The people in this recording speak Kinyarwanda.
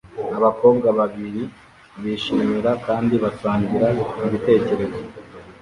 Abakobwa babiri bishimira kandi basangira ibitekerezo